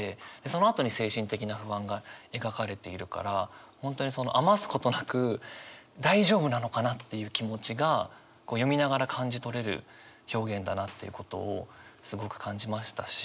そのあとに精神的な不安が描かれているから本当に余すことなく大丈夫なのかなっていう気持ちが読みながら感じ取れる表現だなっていうことをすごく感じましたし。